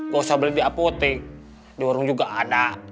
gak usah beli di apotek di warung juga ada